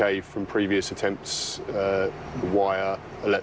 และเหลือเขงกว่าไว้ในโลก